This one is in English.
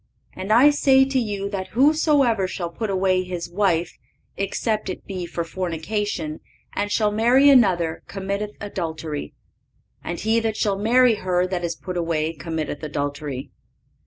And I say to you, that whosoever shall put away his wife, except it be for fornication, and shall marry another committeth adultery: and he that shall marry her that is put away committeth adultery."